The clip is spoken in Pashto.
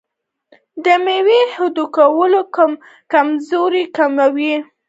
دا مېوه د هډوکو کمزوري کموي.